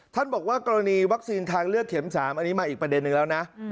บอกว่ากรณีวัคซีนทางเลือกเข็ม๓อันนี้มาอีกประเด็นนึงแล้วนะ